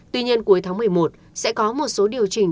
tuy nhiên cuối tháng một mươi một sẽ có một số điều chỉnh